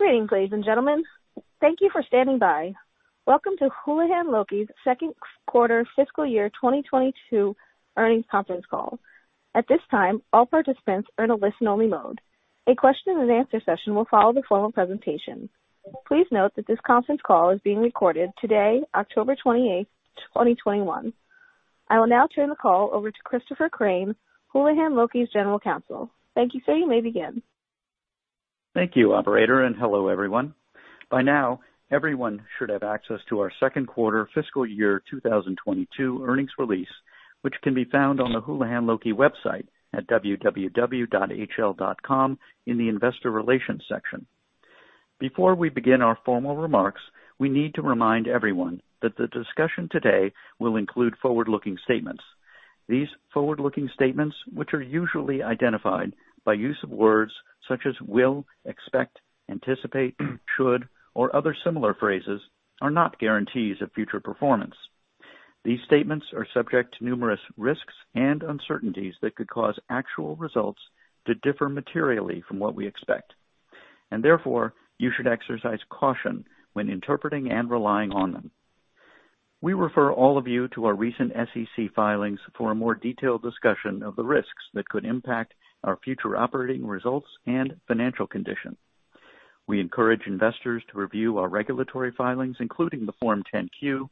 Greetings, ladies and gentlemen. Thank you for standing by. Welcome to Houlihan Lokey's second quarter fiscal year 2022 earnings conference call. At this time, all participants are in a listen-only mode. A question and answer session will follow the formal presentation. Please note that this conference call is being recorded today, October 28, 2021. I will now turn the call over to Christopher Crain, Houlihan Lokey's General Counsel. Thank you. Sir, you may begin. Thank you, operator, and hello, everyone. By now, everyone should have access to our second quarter fiscal year 2022 earnings release, which can be found on the Houlihan Lokey website at www.hl.com in the investor relations section. Before we begin our formal remarks, we need to remind everyone that the discussion today will include forward-looking statements. These forward-looking statements, which are usually identified by use of words such as will, expect, anticipate, should, or other similar phrases, are not guarantees of future performance. These statements are subject to numerous risks and uncertainties that could cause actual results to differ materially from what we expect, and therefore you should exercise caution when interpreting and relying on them. We refer all of you to our recent SEC filings for a more detailed discussion of the risks that could impact our future operating results and financial condition. We encourage investors to review our regulatory filings, including the Form 10-Q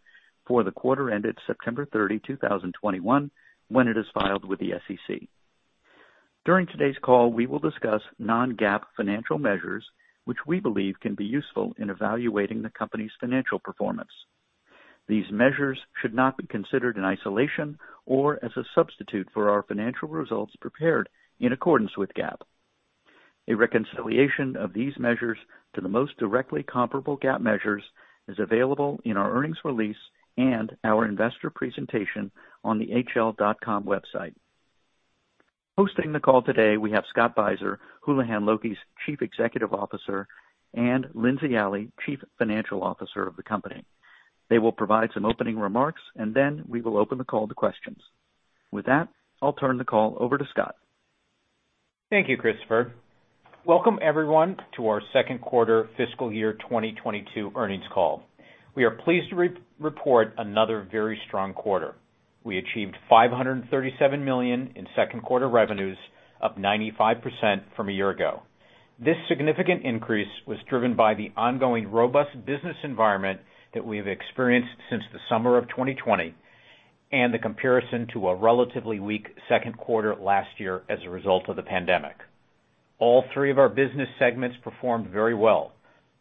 for the quarter ended September 30, 2021, when it is filed with the SEC. During today's call, we will discuss non-GAAP financial measures, which we believe can be useful in evaluating the company's financial performance. These measures should not be considered in isolation or as a substitute for our financial results prepared in accordance with GAAP. A reconciliation of these measures to the most directly comparable GAAP measures is available in our earnings release and our investor presentation on the hl.com website. Hosting the call today, we have Scott Beiser, Houlihan Lokey's Chief Executive Officer, and Lindsey Alley, Chief Financial Officer of the company. They will provide some opening remarks and then we will open the call to questions. With that, I'll turn the call over to Scott. Thank you, Christopher. Welcome everyone to our second quarter fiscal year 2022 earnings call. We are pleased to report another very strong quarter. We achieved $537 million in second quarter revenues, up 95% from a year ago. This significant increase was driven by the ongoing robust business environment that we have experienced since the summer of 2020, and the comparison to a relatively weak second quarter last year as a result of the pandemic. All three of our business segments performed very well.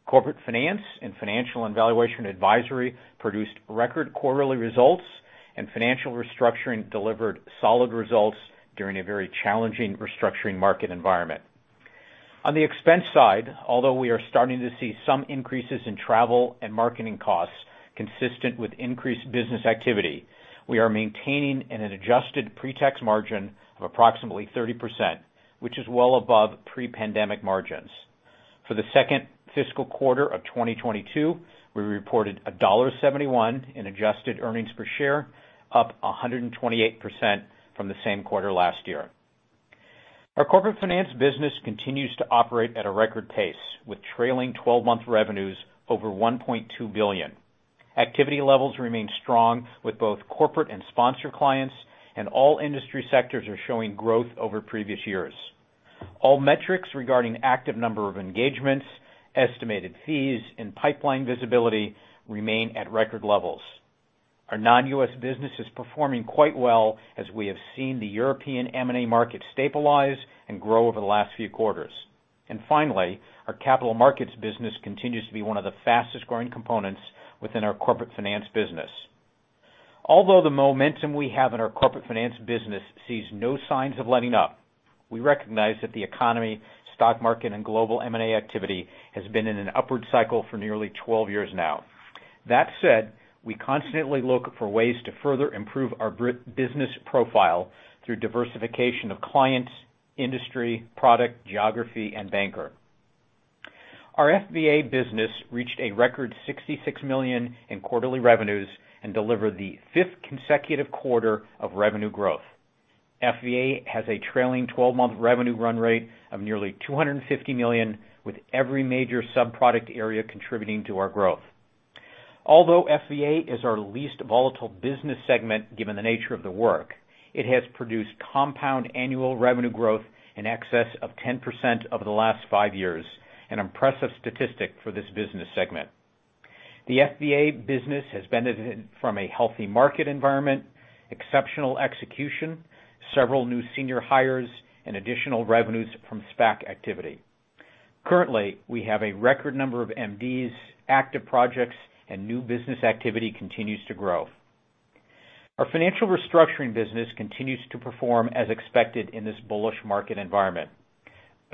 Corporate Finance and Financial and Valuation Advisory produced record quarterly results, and Financial Restructuring delivered solid results during a very challenging restructuring market environment. On the expense side, although we are starting to see some increases in travel and marketing costs consistent with increased business activity, we are maintaining an adjusted pre-tax margin of approximately 30%, which is well above pre-pandemic margins. For the second fiscal quarter of 2022, we reported $1.71 in adjusted earnings per share, up 128% from the same quarter last year. Our Corporate Finance business continues to operate at a record pace, with trailing twelve-month revenues over $1.2 billion. Activity levels remain strong with both corporate and sponsor clients, and all industry sectors are showing growth over previous years. All metrics regarding active number of engagements, estimated fees, and pipeline visibility remain at record levels. Our non-U.S. business is performing quite well as we have seen the European M&A market stabilize and grow over the last few quarters. Finally, our capital markets business continues to be one of the fastest-growing components within our Corporate Finance business. Although the momentum we have in our Corporate Finance business sees no signs of letting up, we recognize that the economy, stock market, and global M&A activity has been in an upward cycle for nearly 12 years now. That said, we constantly look for ways to further improve our business profile through diversification of clients, industry, product, geography, and banker. Our FVA business reached a record $66 million in quarterly revenues and delivered the fifth consecutive quarter of revenue growth. FVA has a trailing 12-month revenue run rate of nearly $250 million, with every major sub-product area contributing to our growth. Although FVA is our least volatile business segment, given the nature of the work, it has produced compound annual revenue growth in excess of 10% over the last five years, an impressive statistic for this business segment. The FVA business has benefited from a healthy market environment, exceptional execution, several new senior hires, and additional revenues from SPAC activity. Currently, we have a record number of MDs, active projects, and new business activity continues to grow. Our Financial Restructuring business continues to perform as expected in this bullish market environment.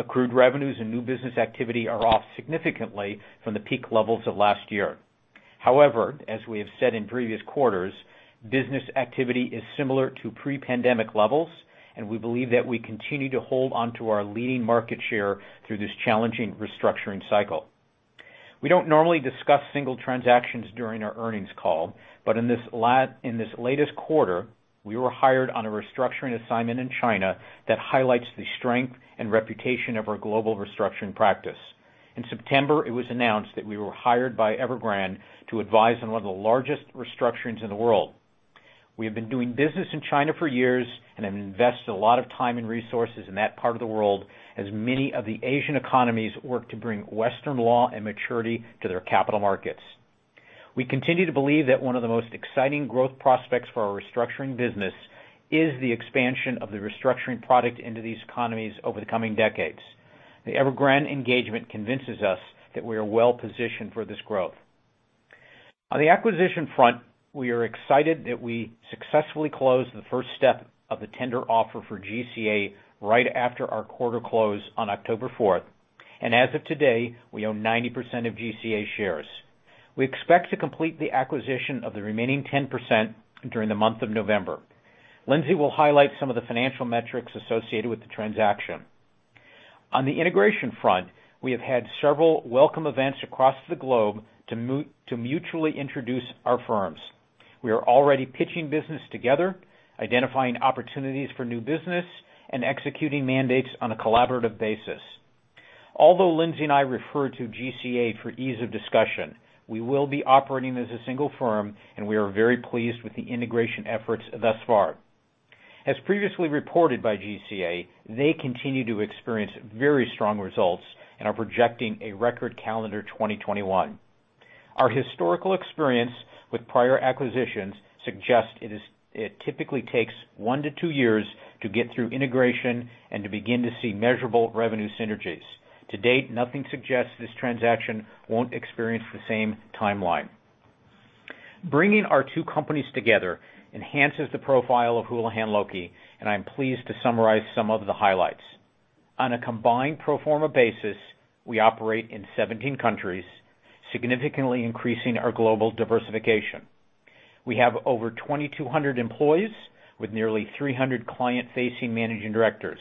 Accrued revenues and new business activity are off significantly from the peak levels of last year. However, as we have said in previous quarters, business activity is similar to pre-pandemic levels, and we believe that we continue to hold onto our leading market share through this challenging restructuring cycle. We don't normally discuss single transactions during our earnings call, but in this latest quarter, we were hired on a restructuring assignment in China that highlights the strength and reputation of our global restructuring practice. In September, it was announced that we were hired by Evergrande to advise on one of the largest restructurings in the world. We have been doing business in China for years and have invested a lot of time and resources in that part of the world, as many of the Asian economies work to bring Western law and maturity to their capital markets. We continue to believe that one of the most exciting growth prospects for our restructuring business is the expansion of the restructuring product into these economies over the coming decades. The Evergrande engagement convinces us that we are well-positioned for this growth. On the acquisition front, we are excited that we successfully closed the first step of the tender offer for GCA right after our quarter close on October 4th, and as of today, we own 90% of GCA shares. We expect to complete the acquisition of the remaining 10% during the month of November. Lindsey will highlight some of the financial metrics associated with the transaction. On the integration front, we have had several welcome events across the globe to mutually introduce our firms. We are already pitching business together, identifying opportunities for new business and executing mandates on a collaborative basis. Although Lindsey and I refer to GCA for ease of discussion, we will be operating as a single firm, and we are very pleased with the integration efforts thus far. As previously reported by GCA, they continue to experience very strong results and are projecting a record calendar 2021. Our historical experience with prior acquisitions suggest it typically takes one-two years to get through integration and to begin to see measurable revenue synergies. To date, nothing suggests this transaction won't experience the same timeline. Bringing our two companies together enhances the profile of Houlihan Lokey, and I'm pleased to summarize some of the highlights. On a combined pro forma basis, we operate in 17 countries, significantly increasing our global diversification. We have over 2,200 employees with nearly 300 client-facing Managing Directors.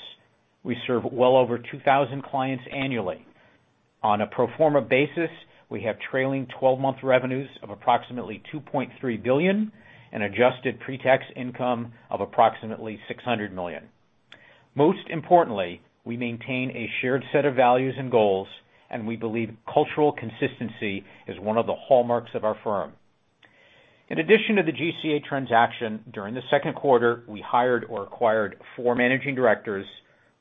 We serve well over 2,000 clients annually. On a pro forma basis, we have trailing 12-month revenues of approximately $2.3 billion and adjusted pre-tax income of approximately $600 million. Most importantly, we maintain a shared set of values and goals, and we believe cultural consistency is one of the hallmarks of our firm. In addition to the GCA transaction, during the second quarter, we hired or acquired four Managing Directors,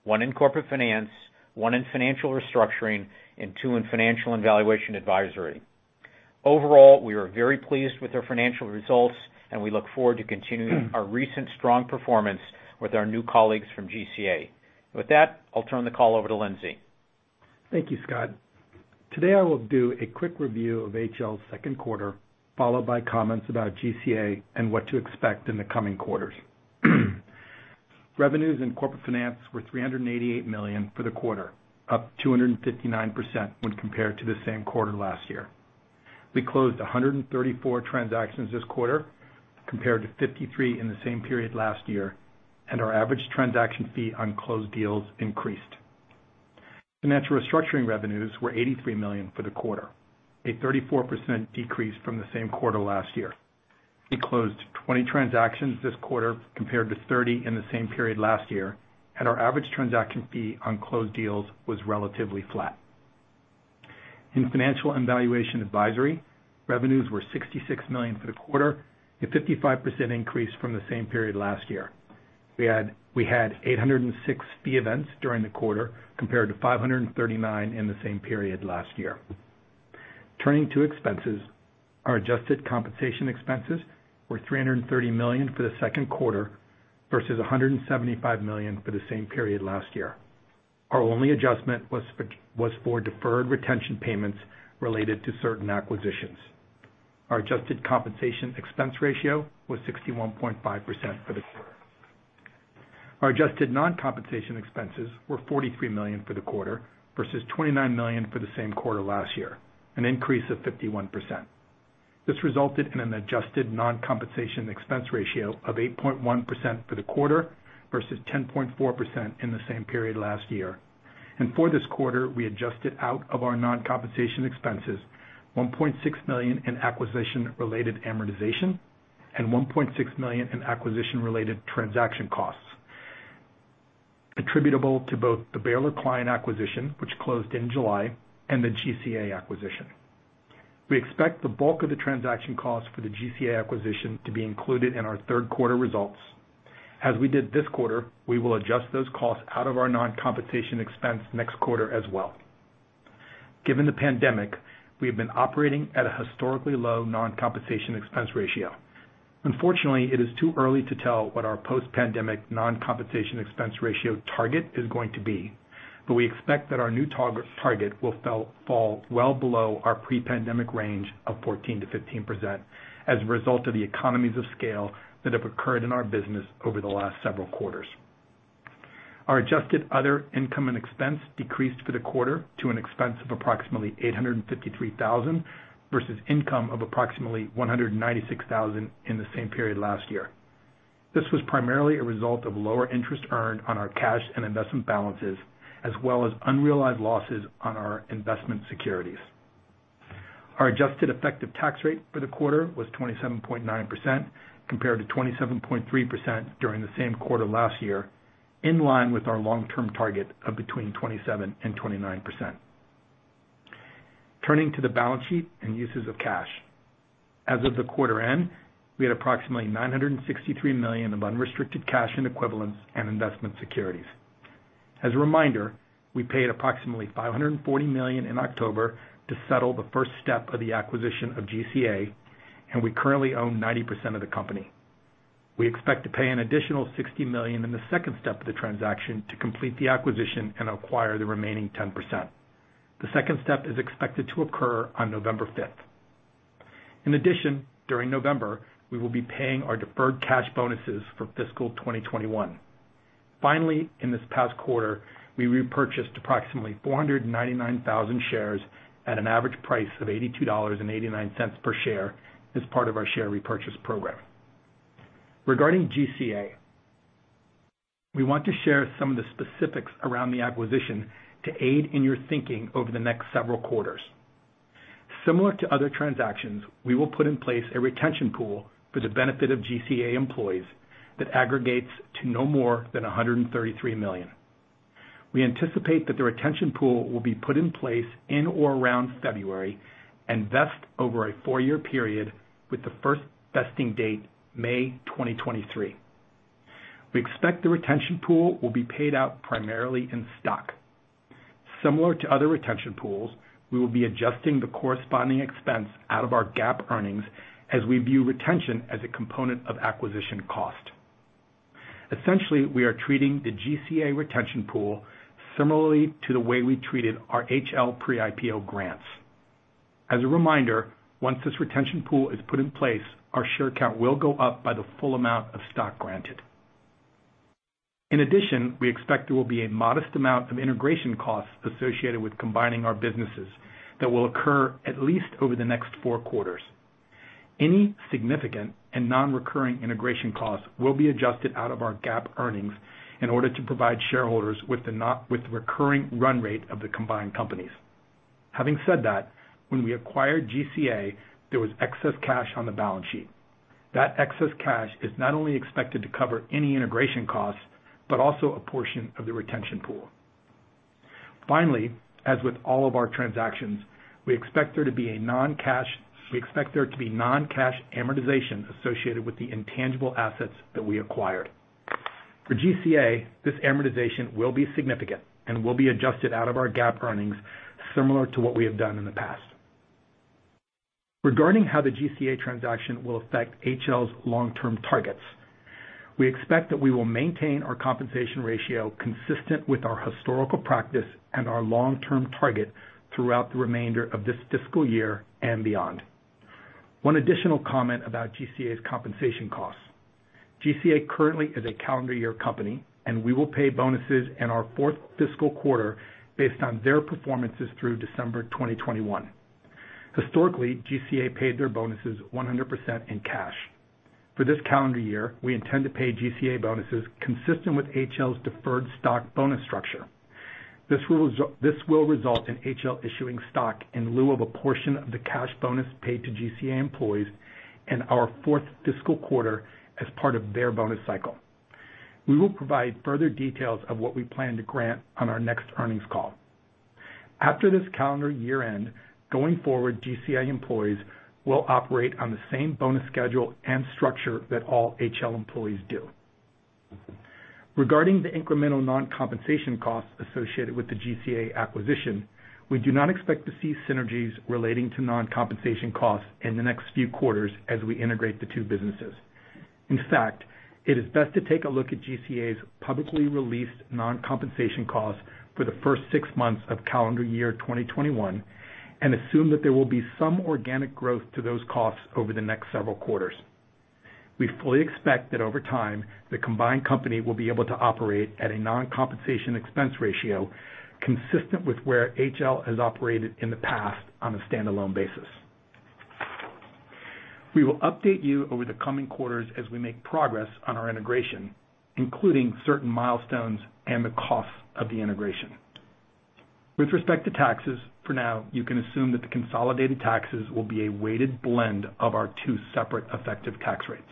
one in Corporate Finance, one in Financial Restructuring, and two in Financial and Valuation Advisory. Overall, we are very pleased with our financial results, and we look forward to continuing our recent strong performance with our new colleagues from GCA. With that, I'll turn the call over to Lindsey. Thank you, Scott. Today, I will do a quick review of HL's second quarter, followed by comments about GCA and what to expect in the coming quarters. Revenues in Corporate Finance were $388 million for the quarter, up 259% when compared to the same quarter last year. We closed 134 transactions this quarter, compared to 53 in the same period last year, and our average transaction fee on closed deals increased. Financial Restructuring revenues were $83 million for the quarter, a 34% decrease from the same quarter last year. We closed 20 transactions this quarter, compared to 30 in the same period last year, and our average transaction fee on closed deals was relatively flat. In Financial and Valuation Advisory, revenues were $66 million for the quarter, a 55% increase from the same period last year. We had 806 fee events during the quarter, compared to 539 in the same period last year. Turning to expenses, our adjusted compensation expenses were $330 million for the second quarter versus $175 million for the same period last year. Our only adjustment was for deferred retention payments related to certain acquisitions. Our adjusted compensation expense ratio was 61.5% for the quarter. Our adjusted non-compensation expenses were $43 million for the quarter versus $29 million for the same quarter last year, an increase of 51%. This resulted in an adjusted non-compensation expense ratio of 8.1% for the quarter versus 10.4% in the same period last year. For this quarter, we adjusted out of our non-compensation expenses $1.6 million in acquisition-related amortization and $1.6 million in acquisition-related transaction costs attributable to both the Baylor client acquisition, which closed in July, and the GCA acquisition. We expect the bulk of the transaction costs for the GCA acquisition to be included in our third quarter results. As we did this quarter, we will adjust those costs out of our non-compensation expense next quarter as well. Given the pandemic, we have been operating at a historically low non-compensation expense ratio. Unfortunately, it is too early to tell what our post-pandemic non-compensation expense ratio target is going to be. We expect that our new target will fall well below our pre-pandemic range of 14%-15% as a result of the economies of scale that have occurred in our business over the last several quarters. Our adjusted other income and expense decreased for the quarter to an expense of approximately $853,000 versus income of approximately $196,000 in the same period last year. This was primarily a result of lower interest earned on our cash and investment balances, as well as unrealized losses on our investment securities. Our adjusted effective tax rate for the quarter was 27.9% compared to 27.3% during the same quarter last year, in line with our long-term target of between 27%-29%. Turning to the balance sheet and uses of cash. As of the quarter end, we had approximately $963 million of unrestricted cash and equivalents and investment securities. As a reminder, we paid approximately $540 million in October to settle the first step of the acquisition of GCA, and we currently own 90% of the company. We expect to pay an additional $60 million in the second step of the transaction to complete the acquisition and acquire the remaining 10%. The second step is expected to occur on November 5th. In addition, during November, we will be paying our deferred cash bonuses for fiscal 2021. Finally, in this past quarter, we repurchased approximately 499,000 shares at an average price of $82.89 per share as part of our share repurchase program. Regarding GCA, we want to share some of the specifics around the acquisition to aid in your thinking over the next several quarters. Similar to other transactions, we will put in place a retention pool for the benefit of GCA employees that aggregates to no more than $133 million. We anticipate that the retention pool will be put in place in or around February and vest over a four-year period with the first vesting date May 2023. We expect the retention pool will be paid out primarily in stock. Similar to other retention pools, we will be adjusting the corresponding expense out of our GAAP earnings as we view retention as a component of acquisition cost. Essentially, we are treating the GCA retention pool similarly to the way we treated our HL pre-IPO grants. As a reminder, once this retention pool is put in place, our share count will go up by the full amount of stock granted. In addition, we expect there will be a modest amount of integration costs associated with combining our businesses that will occur at least over the next four quarters. Any significant and non-recurring integration costs will be adjusted out of our GAAP earnings in order to provide shareholders with the recurring run rate of the combined companies. Having said that, when we acquired GCA, there was excess cash on the balance sheet. That excess cash is not only expected to cover any integration costs, but also a portion of the retention pool. Finally, as with all of our transactions, we expect there to be non-cash amortization associated with the intangible assets that we acquired. For GCA, this amortization will be significant and will be adjusted out of our GAAP earnings, similar to what we have done in the past. Regarding how the GCA transaction will affect HL's long-term targets, we expect that we will maintain our compensation ratio consistent with our historical practice and our long-term target throughout the remainder of this fiscal year and beyond. One additional comment about GCA's compensation costs. GCA currently is a calendar year company, and we will pay bonuses in our fourth fiscal quarter based on their performances through December 2021. Historically, GCA paid their bonuses 100% in cash. For this calendar year, we intend to pay GCA bonuses consistent with HL's deferred stock bonus structure. This will result in HL issuing stock in lieu of a portion of the cash bonus paid to GCA employees in our fourth fiscal quarter as part of their bonus cycle. We will provide further details of what we plan to grant on our next earnings call. After this calendar year-end, going forward, GCA employees will operate on the same bonus schedule and structure that all HL employees do. Regarding the incremental non-compensation costs associated with the GCA acquisition, we do not expect to see synergies relating to non-compensation costs in the next few quarters as we integrate the two businesses. In fact, it is best to take a look at GCA's publicly released non-compensation costs for the first six months of calendar year 2021 and assume that there will be some organic growth to those costs over the next several quarters. We fully expect that over time, the combined company will be able to operate at a non-compensation expense ratio consistent with where HL has operated in the past on a standalone basis. We will update you over the coming quarters as we make progress on our integration, including certain milestones and the costs of the integration. With respect to taxes, for now, you can assume that the consolidated taxes will be a weighted blend of our two separate effective tax rates.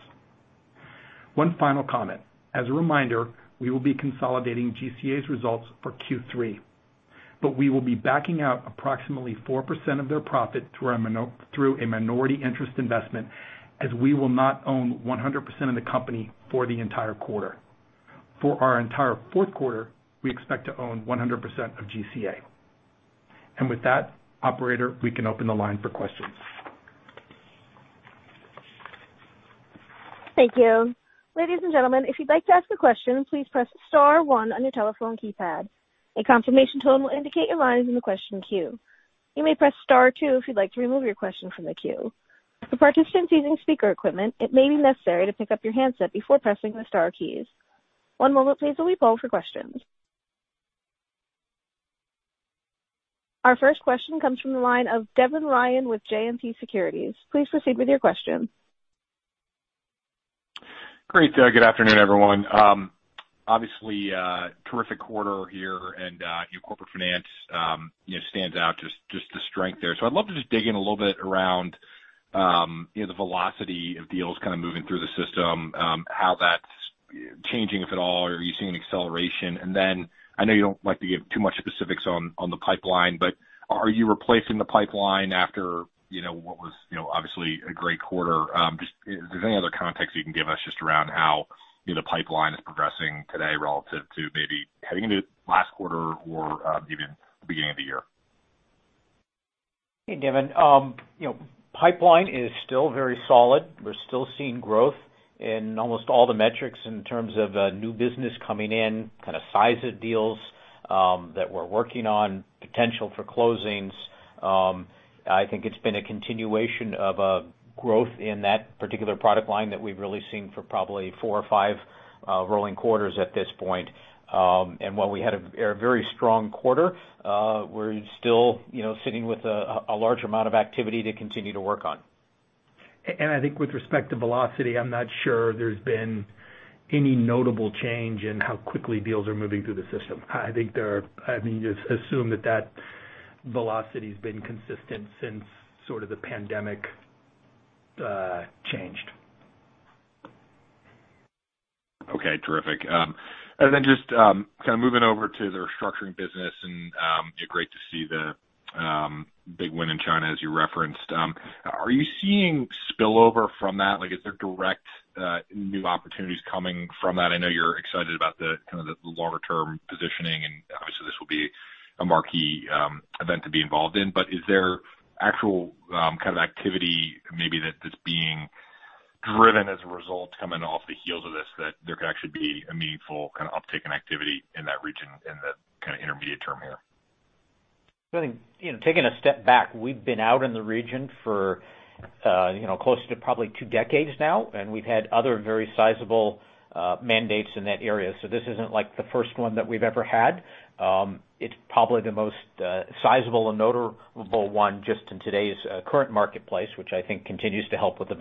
One final comment. As a reminder, we will be consolidating GCA's results for Q3, but we will be backing out approximately 4% of their profit through a minority interest investment, as we will not own 100% of the company for the entire quarter. For our entire fourth quarter, we expect to own 100% of GCA. With that, operator, we can open the line for questions. Our first question comes from the line of Devin Ryan with JMP Securities. Please proceed with your question. Great. Good afternoon, everyone. Obviously, terrific quarter here and your Corporate Finance, you know, stands out, just the strength there. I'd love to just dig in a little bit around the velocity of deals kind of moving through the system, how that's changing, if at all. Are you seeing an acceleration? I know you don't like to give too much specifics on the pipeline, but are you replacing the pipeline after, you know, what was, you know, obviously a great quarter? Just if there's any other context you can give us just around how, you know, the pipeline is progressing today relative to maybe heading into last quarter or even the beginning of the year. Hey, Devin. You know, pipeline is still very solid. We're still seeing growth in almost all the metrics in terms of new business coming in, kind of size of deals that we're working on, potential for closings. I think it's been a continuation of growth in that particular product line that we've really seen for probably four or five rolling quarters at this point. While we had a very strong quarter, we're still, you know, sitting with a large amount of activity to continue to work on. I think with respect to velocity, I'm not sure there's been any notable change in how quickly deals are moving through the system. I think there are, I mean, just assume that velocity's been consistent since sort of the pandemic changed. Okay. Terrific. Just kind of moving over to the restructuring business and great to see the big win in China as you referenced. Are you seeing spillover from that? Like, is there direct new opportunities coming from that? I know you're excited about the kind of longer term positioning, and obviously this will be a marquee event to be involved in. Is there actual kind of activity maybe that is being driven as a result coming off the heels of this, that there could actually be a meaningful kind of uptick in activity in that region in the kind of intermediate term here? I think, you know, taking a step back, we've been out in the region for, you know, close to probably two decades now, and we've had other very sizable mandates in that area. This isn't like the first one that we've ever had. It's probably the most sizable and notable one just in today's current marketplace, which I think continues to help with the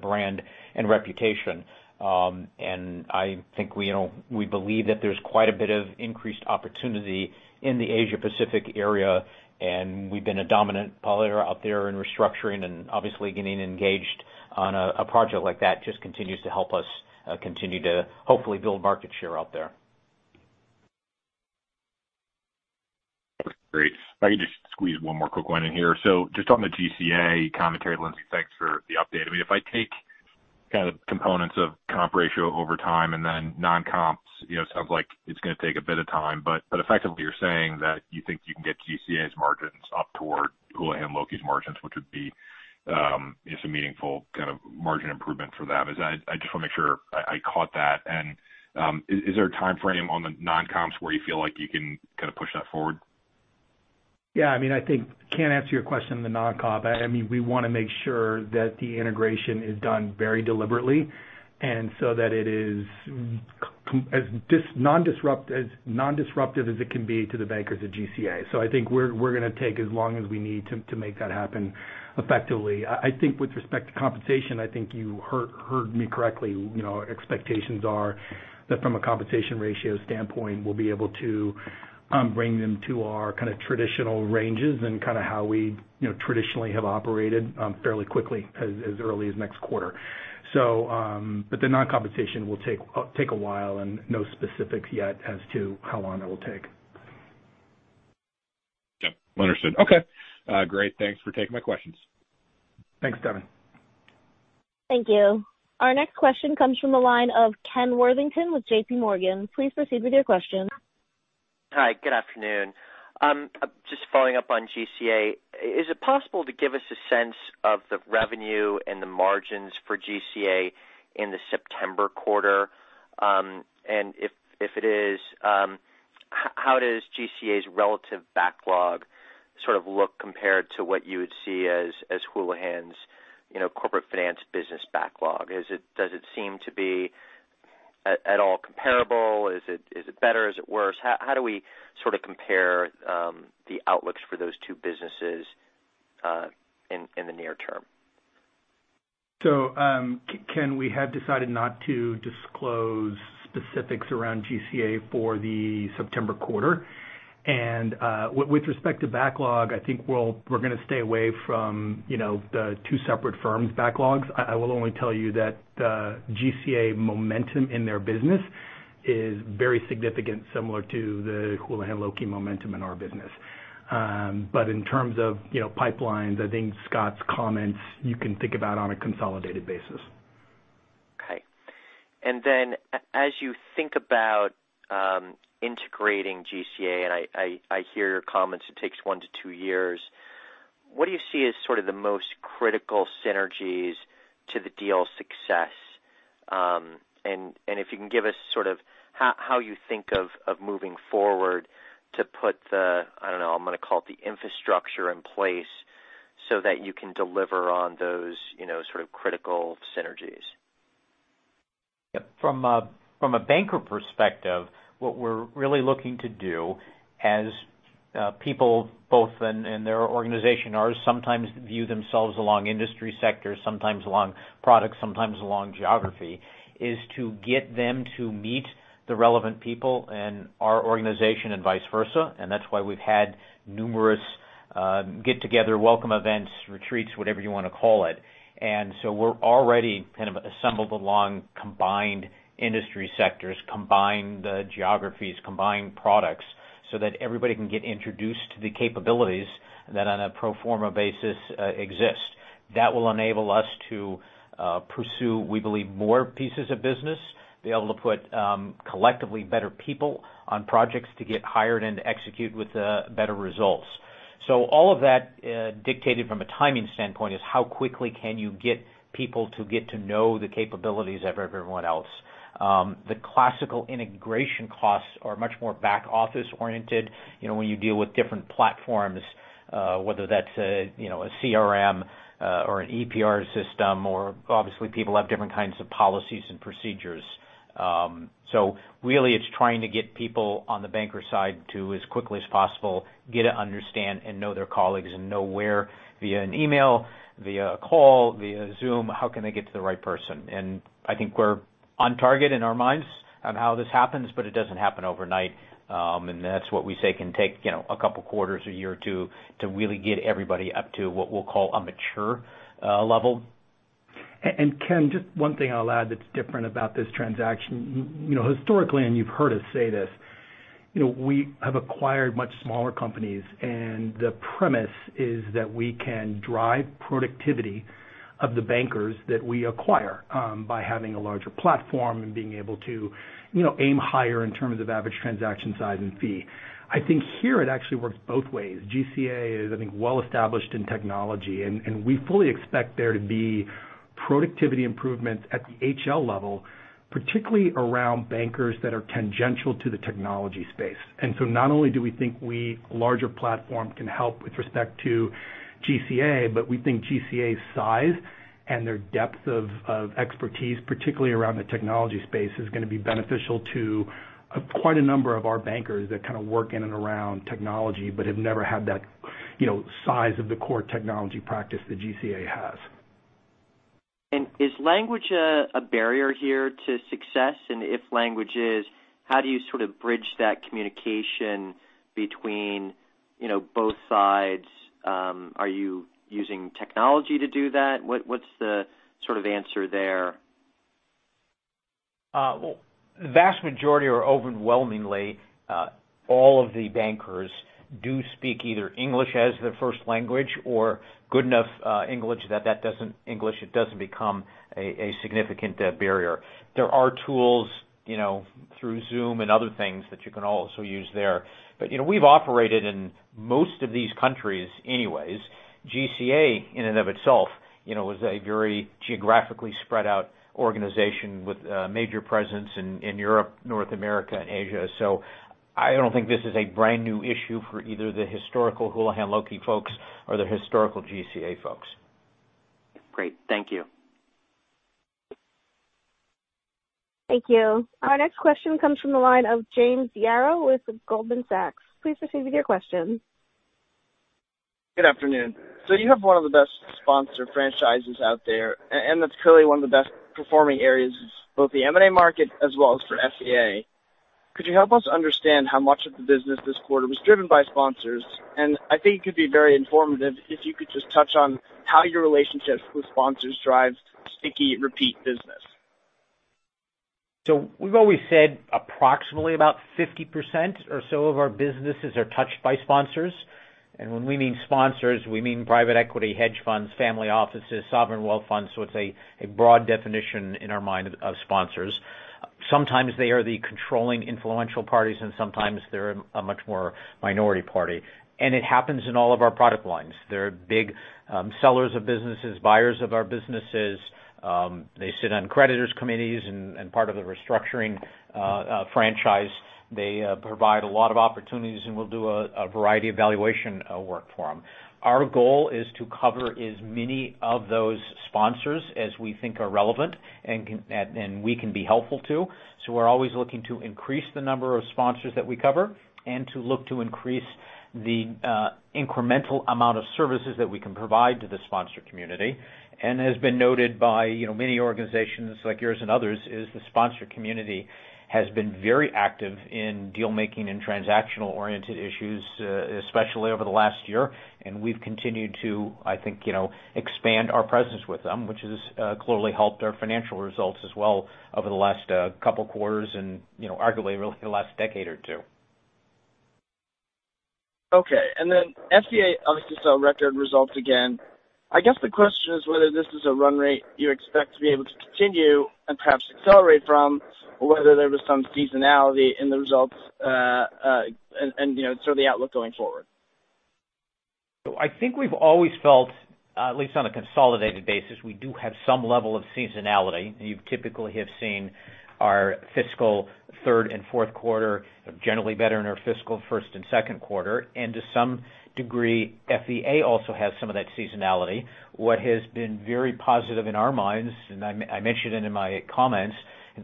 brand and reputation. I think we, you know, we believe that there's quite a bit of increased opportunity in the Asia Pacific area, and we've been a dominant player out there in restructuring and obviously getting engaged on a project like that just continues to help us continue to hopefully build market share out there. Great. If I could just squeeze one more quick one in here. Just on the GCA commentary, Lindsay, thanks for the update. I mean, if I take kind of components of comp ratio over time and then non-comps, you know, it sounds like it's gonna take a bit of time, but effectively you're saying that you think you can get GCA's margins up toward Houlihan Lokey's margins, which would be, it's a meaningful kind of margin improvement for them. Is that? I just wanna make sure I caught that. Is there a timeframe on the non-comps where you feel like you can kind of push that forward? Yeah, I mean, I think I can't answer your question on the non-comp. I mean, we wanna make sure that the integration is done very deliberately and so that it is as non-disruptive as it can be to the bank or to GCA. I think we're gonna take as long as we need to make that happen effectively. I think with respect to compensation, I think you heard me correctly. You know, our expectations are that from a compensation ratio standpoint, we'll be able to bring them to our kind of traditional ranges and kind of how we traditionally have operated fairly quickly, as early as next quarter. The non-compensation will take a while and no specifics yet as to how long that will take. Yep. Understood. Okay. Great. Thanks for taking my questions. Thanks, Devin. Thank you. Our next question comes from the line of Ken Worthington with JPMorgan. Please proceed with your question. Hi, good afternoon. Just following up on GCA, is it possible to give us a sense of the revenue and the margins for GCA in the September quarter? If it is, how does GCA's relative backlog sort of look compared to what you would see as Houlihan Lokey's, you know, Corporate Finance business backlog? Does it seem to be at all comparable? Is it better? Is it worse? How do we sort of compare the outlooks for those two businesses in the near term? Ken, we have decided not to disclose specifics around GCA for the September quarter. With respect to backlog, I think we're gonna stay away from, you know, the two separate firms' backlogs. I will only tell you that GCA momentum in their business is very significant, similar to the Houlihan Lokey momentum in our business. In terms of, you know, pipelines, I think Scott's comments you can think about on a consolidated basis. Okay. As you think about integrating GCA, I hear your comments, it takes one-two years, what do you see as sort of the most critical synergies to the deal's success? If you can give us sort of how you think of moving forward to put the, I don't know, I'm gonna call it the infrastructure in place so that you can deliver on those, you know, sort of critical synergies. Yep. From a banker perspective, what we're really looking to do as people both in their organization or sometimes view themselves along industry sectors, sometimes along products, sometimes along geography, is to get them to meet the relevant people in our organization and vice versa. That's why we've had numerous get together welcome events, retreats, whatever you wanna call it. We're already kind of assembled along combined industry sectors, combined geographies, combined products, so that everybody can get introduced to the capabilities that on a pro forma basis exist. That will enable us to pursue, we believe, more pieces of business, be able to put collectively better people on projects to get hired and execute with better results. All of that dictated from a timing standpoint is how quickly can you get people to get to know the capabilities of everyone else. The classical integration costs are much more back office oriented, you know, when you deal with different platforms, whether that's a you know a CRM or an ERP system or obviously people have different kinds of policies and procedures. Really it's trying to get people on the banker side to, as quickly as possible, get to understand and know their colleagues and know where via an email, via a call, via Zoom, how can they get to the right person. I think we're on target in our minds on how this happens, but it doesn't happen overnight. That's what we say can take, you know, a couple quarters, a year or two to really get everybody up to what we'll call a mature level. Ken, just one thing I'll add that's different about this transaction. You know, historically, and you've heard us say this, you know, we have acquired much smaller companies, and the premise is that we can drive productivity of the bankers that we acquire, by having a larger platform and being able to, you know, aim higher in terms of average transaction size and fee. I think here it actually works both ways. GCA is, I think, well established in technology, and we fully expect there to be productivity improvements at the HL level, particularly around bankers that are tangential to the technology space. Not only do we think a larger platform can help with respect to GCA, but we think GCA's size and their depth of expertise, particularly around the technology space, is gonna be beneficial to quite a number of our bankers that kind of work in and around technology, but have never had that, you know, size of the core technology practice that GCA has. Is language a barrier here to success? If language is, how do you sort of bridge that communication between, you know, both sides? Are you using technology to do that? What's the sort of answer there? Well, the vast majority or overwhelmingly all of the bankers do speak either English as their first language or good enough English that it doesn't become a significant barrier. There are tools, you know, through Zoom and other things that you can also use there. You know, we've operated in most of these countries anyways. GCA, in and of itself, you know, was a very geographically spread out organization with a major presence in Europe, North America and Asia. I don't think this is a brand new issue for either the historical Houlihan Lokey folks or the historical GCA folks. Great. Thank you. Thank you. Our next question comes from the line of James Yaro with Goldman Sachs. Please proceed with your question. Good afternoon. You have one of the best sponsor franchises out there, and that's clearly one of the best performing areas of both the M&A market as well as for FVA. Could you help us understand how much of the business this quarter was driven by sponsors? I think it could be very informative if you could just touch on how your relationships with sponsors drives sticky repeat business. We've always said approximately about 50% or so of our businesses are touched by sponsors. When we mean sponsors, we mean private equity, hedge funds, family offices, sovereign wealth funds. It's a broad definition in our mind of sponsors. Sometimes they are the controlling influential parties, and sometimes they're a much more minority party. It happens in all of our product lines. They're big sellers of businesses, buyers of our businesses. They sit on creditors committees and part of the restructuring franchise. They provide a lot of opportunities, and we'll do a variety of valuation work for them. Our goal is to cover as many of those sponsors as we think are relevant and we can be helpful to. We're always looking to increase the number of sponsors that we cover and to look to increase the incremental amount of services that we can provide to the sponsor community. As has been noted by, you know, many organizations like yours and others, the sponsor community has been very active in deal-making and transactional-oriented issues, especially over the last year. We've continued to, I think, you know, expand our presence with them, which has clearly helped our financial results as well over the last couple quarters and, you know, arguably really the last decade or two. Okay. FVA obviously saw record results again. I guess the question is whether this is a run rate you expect to be able to continue and perhaps accelerate from, or whether there was some seasonality in the results, and you know, sort of the outlook going forward. I think we've always felt, at least on a consolidated basis, we do have some level of seasonality. You typically have seen our fiscal third and fourth quarter generally better than our fiscal first and second quarter. To some degree, FVA also has some of that seasonality. What has been very positive in our minds, and I mentioned it in my comments,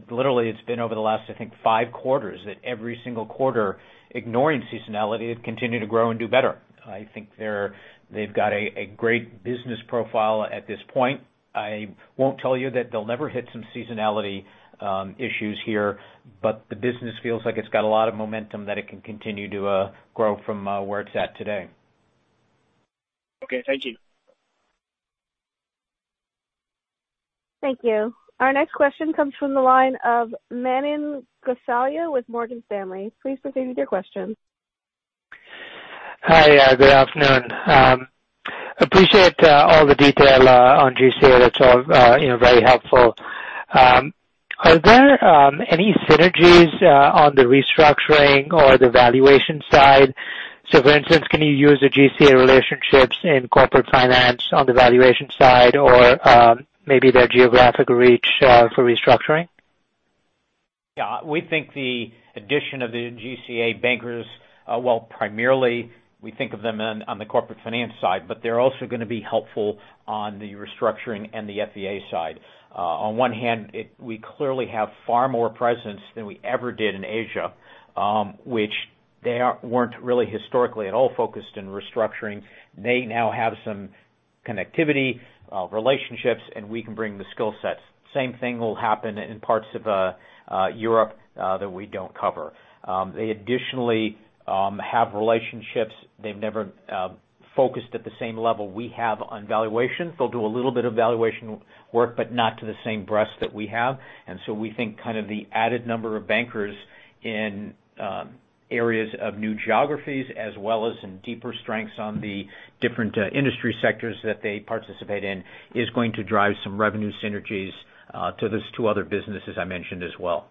literally it's been over the last, I think, five quarters that every single quarter, ignoring seasonality, have continued to grow and do better. I think they've got a great business profile at this point. I won't tell you that they'll never hit some seasonality issues here, but the business feels like it's got a lot of momentum that it can continue to grow from where it's at today. Okay. Thank you. Thank you. Our next question comes from the line of Manan Gosalia with Morgan Stanley. Please proceed with your question. Hi. Good afternoon. Appreciate all the detail on GCA. That's all, you know, very helpful. Are there any synergies on the restructuring or the valuation side? For instance, can you use the GCA relationships in Corporate Finance on the valuation side or, maybe their geographic reach for restructuring? Yeah. We think the addition of the GCA bankers, while primarily we think of them on the Corporate Finance side, but they're also gonna be helpful on the Restructuring and the FVA side. On one hand, we clearly have far more presence than we ever did in Asia, which they weren't really historically at all focused in Restructuring. They now have some connectivity, relationships, and we can bring the skill sets. Same thing will happen in parts of Europe that we don't cover. They additionally have relationships they've never focused at the same level we have on valuations. They'll do a little bit of valuation work, but not to the same breadth that we have. We think kind of the added number of bankers in areas of new geographies as well as in deeper strengths on the different industry sectors that they participate in is going to drive some revenue synergies to those two other businesses I mentioned as well.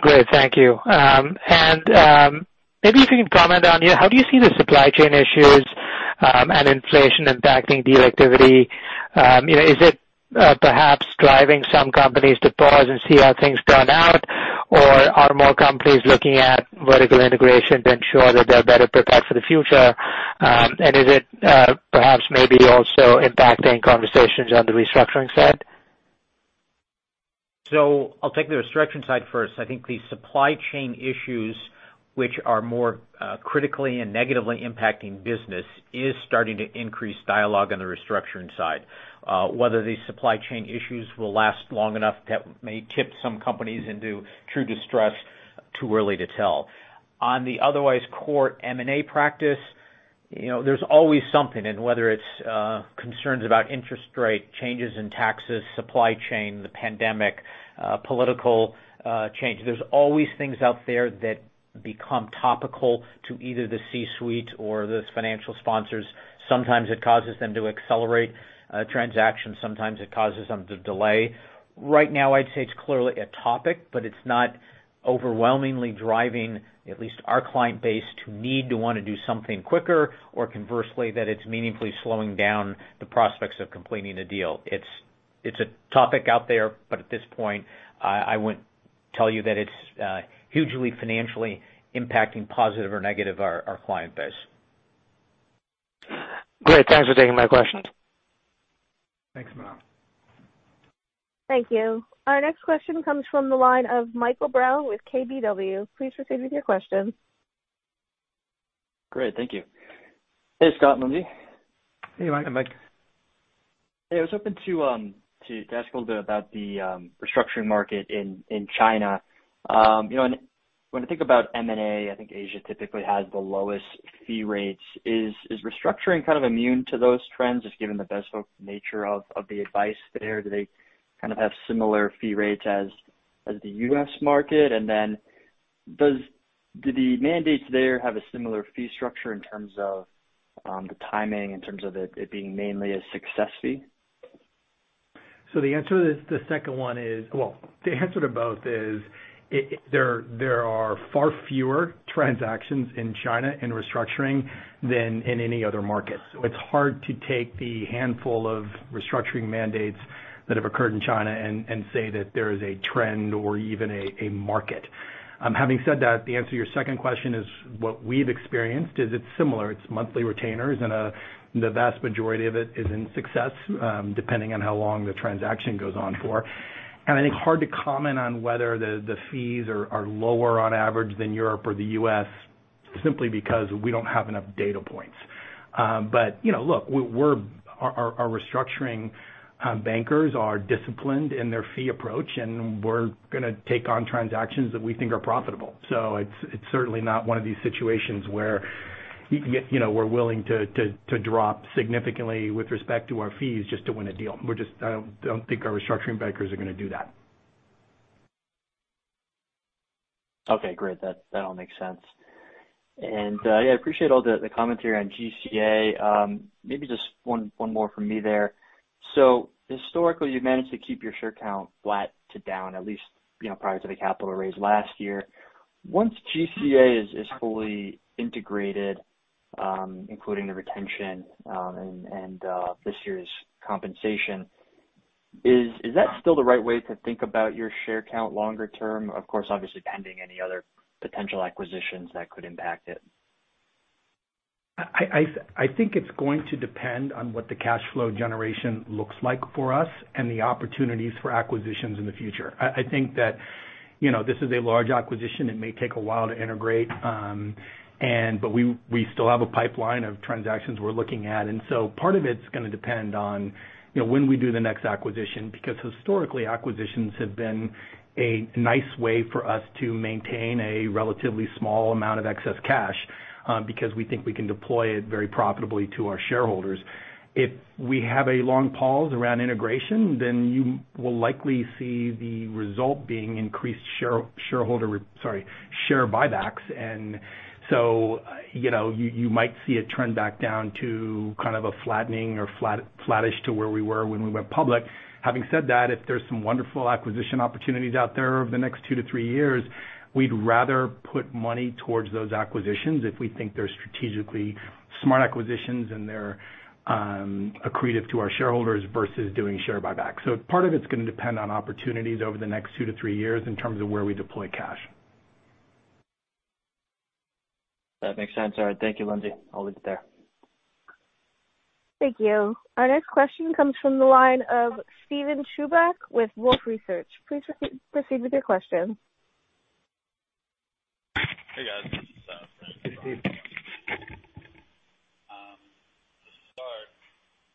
Great. Thank you. Maybe if you could comment on, you know, how do you see the supply chain issues and inflation impacting deal activity? You know, is it perhaps driving some companies to pause and see how things turn out? Are more companies looking at vertical integration to ensure that they're better prepared for the future? Is it perhaps maybe also impacting conversations on the restructuring side? I'll take the restructuring side first. I think the supply chain issues, which are more, critically and negatively impacting business, is starting to increase dialogue on the restructuring side. Whether these supply chain issues will last long enough that may tip some companies into true distress, too early to tell. On the otherwise core M&A practice, you know, there's always something. Whether it's, concerns about interest rate, changes in taxes, supply chain, the pandemic, political change, there's always things out there that become topical to either the C-suite or those financial sponsors. Sometimes it causes them to accelerate a transaction. Sometimes it causes them to delay. Right now I'd say it's clearly a topic, but it's not overwhelmingly driving, at least our client base, to need to wanna do something quicker or conversely that it's meaningfully slowing down the prospects of completing a deal. It's a topic out there, but at this point, I wouldn't tell you that it's hugely financially impacting, positive or negative, our client base. Great. Thanks for taking my questions. Thanks, Manan. Thank you. Our next question comes from the line of Michael Brown with KBW. Please proceed with your question. Great. Thank you. Hey, Scott, it's Mike. Hey, Mike. Hey, Mike. Hey, I was hoping to ask a little bit about the restructuring market in China. You know, when I think about M&A, I think Asia typically has the lowest fee rates. Is restructuring kind of immune to those trends, just given the bespoke nature of the advice there? Do they kind of have similar fee rates as the U.S. market? Do the mandates there have a similar fee structure in terms of the timing, in terms of it being mainly a success fee? The answer to both is there are far fewer transactions in China in restructuring than in any other market. It's hard to take the handful of restructuring mandates that have occurred in China and say that there is a trend or even a market. Having said that, the answer to your second question is what we've experienced is it's similar. It's monthly retainers, and the vast majority of it is in success, depending on how long the transaction goes on for. I think it's hard to comment on whether the fees are lower on average than Europe or the U.S. simply because we don't have enough data points. You know, look, our restructuring bankers are disciplined in their fee approach, and we're gonna take on transactions that we think are profitable. It's certainly not one of these situations where you can get, you know, we're willing to drop significantly with respect to our fees just to win a deal. I don't think our restructuring bankers are gonna do that. Okay. Great. That all makes sense. Yeah, I appreciate all the commentary on GCA. Maybe just one more from me there. Historically, you've managed to keep your share count flat to down at least, you know, prior to the capital raise last year. Once GCA is fully integrated, including the retention and this year's compensation, is that still the right way to think about your share count longer term? Of course, obviously pending any other potential acquisitions that could impact it? I think it's going to depend on what the cash flow generation looks like for us and the opportunities for acquisitions in the future. I think that, you know, this is a large acquisition. It may take a while to integrate, but we still have a pipeline of transactions we're looking at. Part of it's gonna depend on, you know, when we do the next acquisition, because historically, acquisitions have been a nice way for us to maintain a relatively small amount of excess cash, because we think we can deploy it very profitably to our shareholders. If we have a long pause around integration, then you will likely see the result being increased share buybacks. You know, you might see a trend back down to kind of a flattening or flat-flattish to where we were when we went public. Having said that, if there's some wonderful acquisition opportunities out there over the next two-three years, we'd rather put money towards those acquisitions if we think they're strategically smart acquisitions and they're accretive to our shareholders versus doing share buybacks. Part of it's gonna depend on opportunities over the next two-three years in terms of where we deploy cash. That makes sense. All right. Thank you, Lindsey. I'll leave it there. Thank you. Our next question comes from the line of Steven Chubak with Wolfe Research. Please proceed with your question. Hey, guys. To start,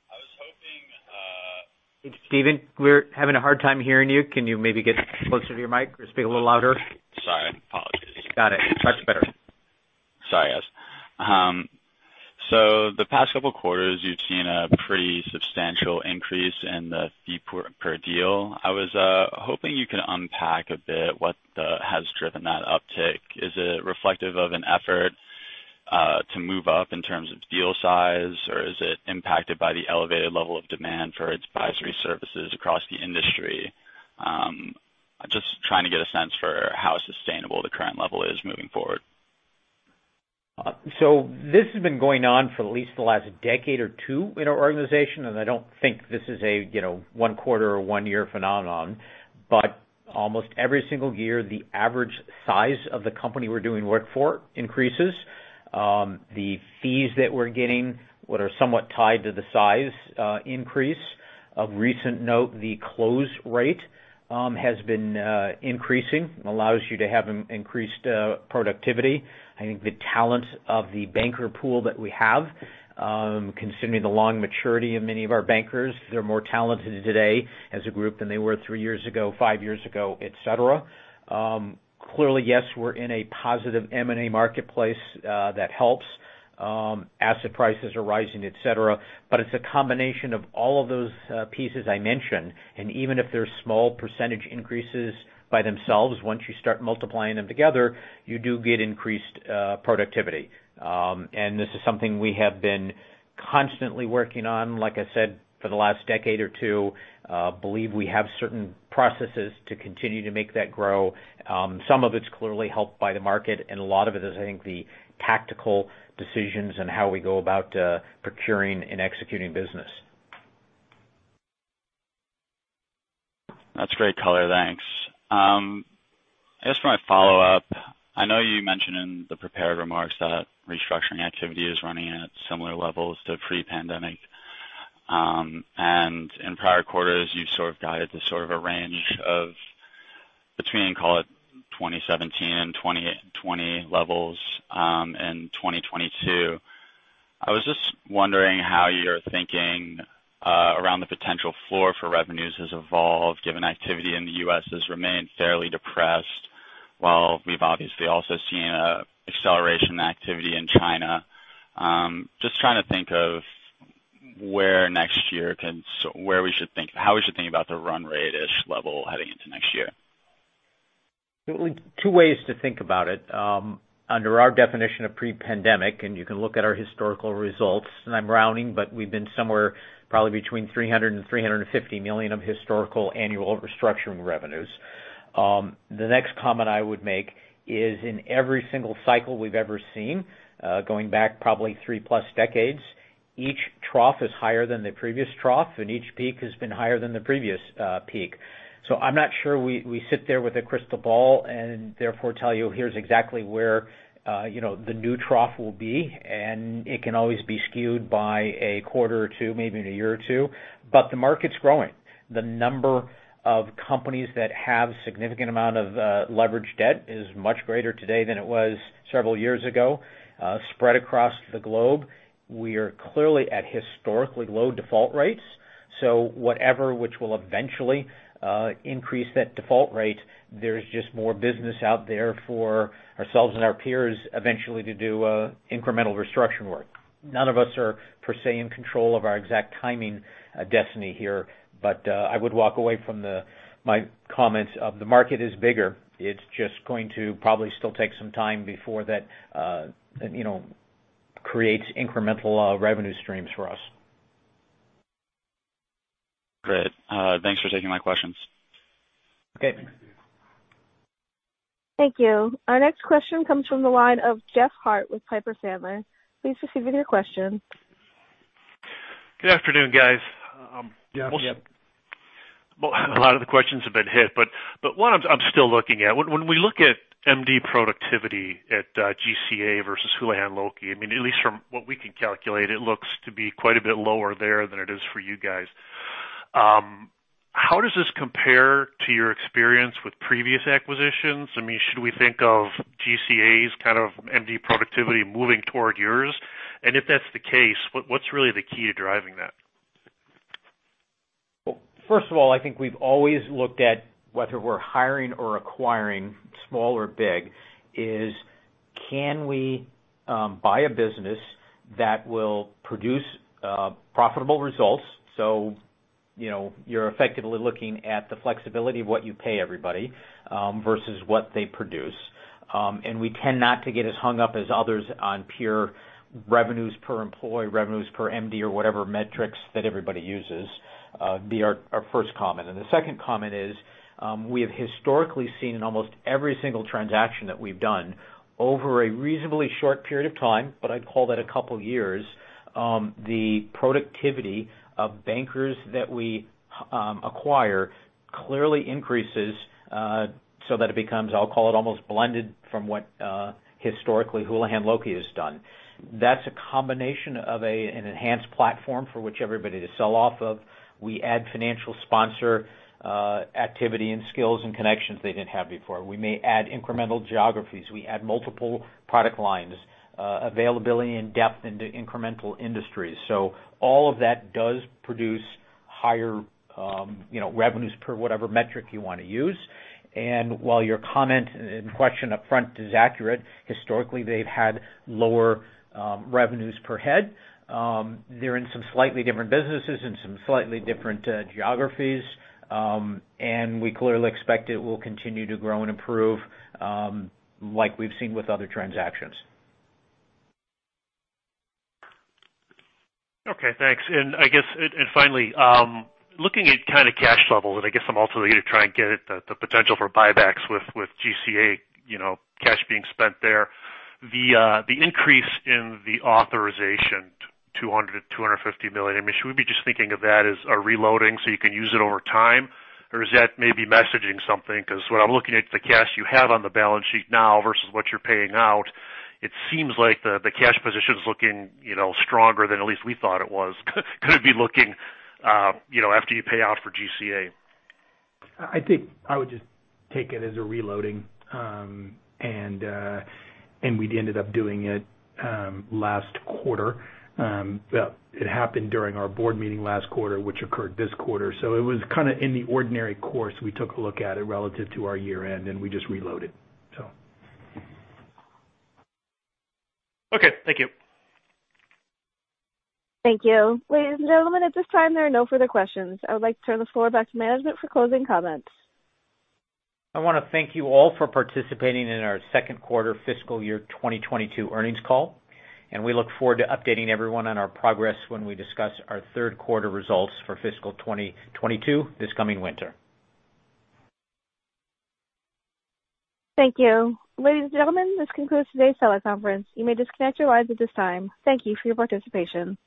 I was hoping, Steven, we're having a hard time hearing you. Can you maybe get closer to your mic or speak a little louder? Sorry. Apologies. Got it. Much better. Sorry, guys. The past couple quarters, you've seen a pretty substantial increase in the fee per deal. I was hoping you could unpack a bit what has driven that uptick. Is it reflective of an effort to move up in terms of deal size, or is it impacted by the elevated level of demand for advisory services across the industry? Just trying to get a sense for how sustainable the current level is moving forward. This has been going on for at least the last decade or two in our organization, and I don't think this is a, you know, one quarter or one year phenomenon. Almost every single year, the average size of the company we're doing work for increases. The fees that we're getting that are somewhat tied to the size increase. Of recent note, the close rate has been increasing. Allows you to have increased productivity. I think the talent of the banker pool that we have, considering the long maturity of many of our bankers, they're more talented today as a group than they were three years ago, five years ago, et cetera. Clearly, yes, we're in a positive M&A marketplace that helps. Asset prices are rising, et cetera. It's a combination of all of those pieces I mentioned, and even if they're small percentage increases by themselves, once you start multiplying them together, you do get increased productivity. This is something we have been constantly working on, like I said, for the last decade or two. I believe we have certain processes to continue to make that grow. Some of it's clearly helped by the market, and a lot of it is, I think, the tactical decisions on how we go about procuring and executing business. That's great color. Thanks. I guess for my follow-up, I know you mentioned in the prepared remarks that restructuring activity is running at similar levels to pre-pandemic. In prior quarters, you've sort of guided to sort of a range of between, call it, 2017 and 2020 levels in 2022. I was just wondering how your thinking around the potential floor for revenues has evolved given activity in the U.S. has remained fairly depressed while we've obviously also seen an acceleration in activity in China. Just trying to think of how we should think about the run rate-ish level heading into next year. Two ways to think about it. Under our definition of pre-pandemic, and you can look at our historical results, and I'm rounding, but we've been somewhere probably between $300 million and $350 million of historical annual restructuring revenues. The next comment I would make is in every single cycle we've ever seen, going back probably three plus decades, each trough is higher than the previous trough, and each peak has been higher than the previous peak. I'm not sure we sit there with a crystal ball and therefore tell you, "Here's exactly where, you know, the new trough will be." It can always be skewed by a quarter or two, maybe in a year or two. The market's growing. The number of companies that have significant amount of leverage debt is much greater today than it was several years ago, spread across the globe. We are clearly at historically low default rates, so whatever will eventually increase that default rate, there's just more business out there for ourselves and our peers eventually to do incremental restructuring work. None of us are per se in control of our exact timing destiny here, but I would walk away from my comments that the market is bigger. It's just going to probably still take some time before that, you know, creates incremental revenue streams for us. Great. Thanks for taking my questions. Okay. Thanks. Thank you. Our next question comes from the line of Jeff Harte with Piper Sandler. Please proceed with your question. Good afternoon, guys. Yeah. Well, a lot of the questions have been hit, but what I'm still looking at, when we look at MD productivity at GCA versus Houlihan Lokey, I mean, at least from what we can calculate, it looks to be quite a bit lower there than it is for you guys. How does this compare to your experience with previous acquisitions? I mean, should we think of GCA's kind of MD productivity moving toward yours? If that's the case, what's really the key to driving that? First of all, I think we've always looked at whether we're hiring or acquiring small or big is can we buy a business that will produce profitable results? You know, you're effectively looking at the flexibility of what you pay everybody versus what they produce. We tend not to get as hung up as others on pure revenues per employee, revenues per MD or whatever metrics that everybody uses, that's our first comment. The second comment is, we have historically seen in almost every single transaction that we've done over a reasonably short period of time, but I'd call that a couple years, the productivity of bankers that we acquire clearly increases so that it becomes, I'll call it, almost blended from what historically Houlihan Lokey has done. That's a combination of an enhanced platform for which everybody to sell off of. We add financial sponsor activity and skills and connections they didn't have before. We may add incremental geographies. We add multiple product lines availability and depth into incremental industries. All of that does produce higher, you know, revenues per whatever metric you wanna use. While your comment and question upfront is accurate, historically, they've had lower revenues per head. They're in some slightly different businesses and some slightly different geographies, and we clearly expect it will continue to grow and improve like we've seen with other transactions. Okay, thanks. I guess finally, looking at kind of cash levels, and I guess I'm also going to try and get at the potential for buybacks with GCA, you know, cash being spent there. The increase in the authorization, $250 million. I mean, should we be just thinking of that as a reloading so you can use it over time? Or is that maybe messaging something? 'Cause when I'm looking at the cash you have on the balance sheet now versus what you're paying out, it seems like the cash position's looking, you know, stronger than at least we thought it was going to be looking, you know, after you pay out for GCA. I think I would just take it as a reloading. We'd ended up doing it last quarter. Well, it happened during our board meeting last quarter, which occurred this quarter. It was kinda in the ordinary course we took a look at it relative to our year-end, and we just reloaded. Okay, thank you. Thank you. Ladies and gentlemen, at this time, there are no further questions. I would like to turn the floor back to management for closing comments. I wanna thank you all for participating in our second quarter fiscal year 2022 earnings call. We look forward to updating everyone on our progress when we discuss our third quarter results for fiscal 2022, this coming winter. Thank you. Ladies and gentlemen, this concludes today's teleconference. You may disconnect your lines at this time. Thank you for your participation.